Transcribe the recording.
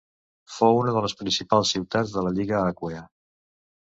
Fou una de les principals ciutats de la Lliga Aquea.